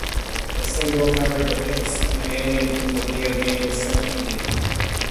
The single cover depicts an alien from the video game "Centipede".